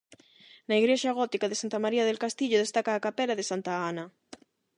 Na igrexa gótica de Santa María del Castillo destaca a capela de Santa Ana.